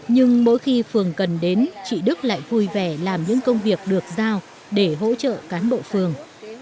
nhưng mỗi khi phường cần đến chị đức lại vui vẻ làm những công việc được giao để hỗ trợ cán bộ phường